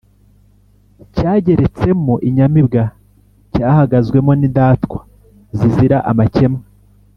cyareretsemo inyamibwa: cyahagazwemo n’indatwa zizira amakemwa